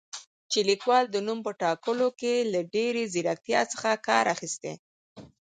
چې لیکوال د نوم په ټاکلو کې له ډېرې زیرکتیا څخه کار اخیستی